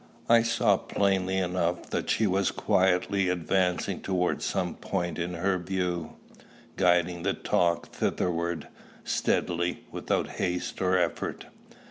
I saw plainly enough that she was quietly advancing towards some point in her view, guiding the talk thitherward, steadily, without haste or effort.